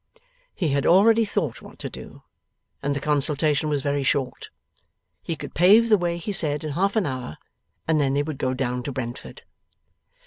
He had already thought what to do, and the consultation was very short. He could pave the way, he said, in half an hour, and then they would go down to Brentford.